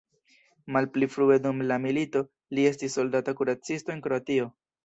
Malpli frue dum la milito li estis soldata kuracisto en Kroatio.